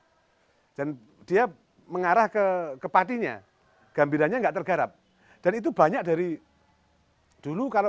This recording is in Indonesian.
dan dia mengarah ke patinya gambirannya enggak tergarap dan itu banyak dari dulu kalau